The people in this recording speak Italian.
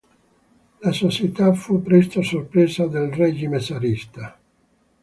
La società fu presto soppressa dal regime zarista.